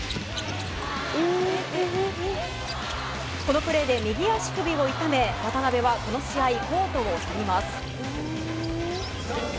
このプレーで右足首を痛め渡邊はこの試合コートを去ります。